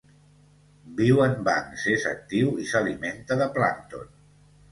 Viu en bancs, és actiu i s'alimenta de plàncton.